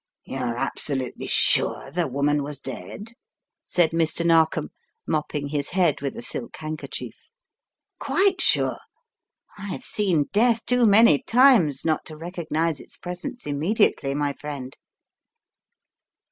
"You are absolutely sure the woman was dead?" said Mr. Narkom, mopping his head with a silk handkerchief. "Quite sure. I have seen death too many times not to recognize its presence immediately, my friend.